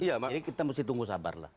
jadi kita mesti tunggu sabar lah